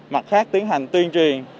mặt khác tiến hành tuyên truyền